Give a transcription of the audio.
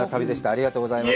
ありがとうございます。